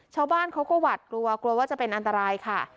ชาวบ้านเขาก็หวัดกลัวกลัวว่าจะเป็นอันตรายค่ะ